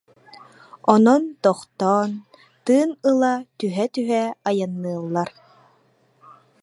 Онон тохтоон, тыын ыла түһэ-түһэ, айанныыллар